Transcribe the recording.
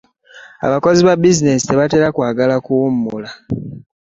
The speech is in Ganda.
abakozi ba bizineesi tebatera kwagala kuwummula.